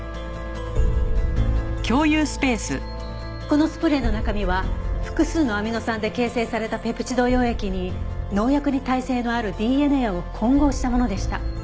このスプレーの中身は複数のアミノ酸で形成されたペプチド溶液に農薬に耐性のあるＤＮＡを混合したものでした。